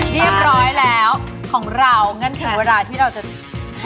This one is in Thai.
เรียบร้อยแล้วของเรางั้นถึงเวลาที่เราจะ